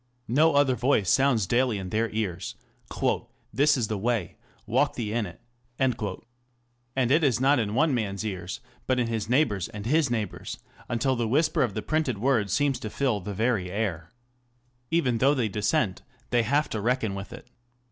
No other voice sounds daily in their ears, " This is the way, walk ye in it." And it is not in one man's ears, but in his neighbour's and his neighbour's, until the whisper of the printed word seems to fill the very air. Even though they dissent, they have to reckon with it.